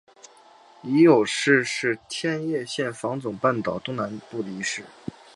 夷隅市是千叶县房总半岛东南部的一市。